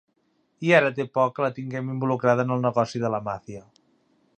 I ara té por que la tinguem involucrada en el negoci de la màfia.